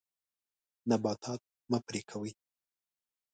نباتات مه پرې کوئ.